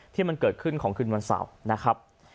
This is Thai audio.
ที่มันเกิดขึ้นของคืนวันเสาร์นะครับ